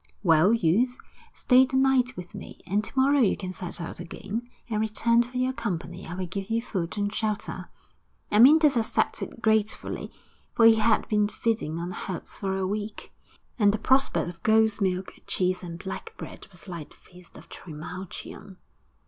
'Well, youth, stay the night with me, and to morrow you can set out again. In return for your company I will give you food and shelter.' Amyntas accepted gratefully, for he had been feeding on herbs for a week, and the prospect of goat's milk, cheese and black bread was like the feast of Trimalchion.